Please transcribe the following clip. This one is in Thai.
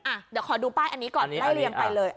อ่ะเดี๋ยวขอดูป้ายอันนี้ก่อนไล่เลียงไปเลย